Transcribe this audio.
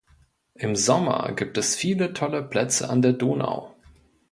Im Sommer gibt es viele tolle Plätze an der Donau.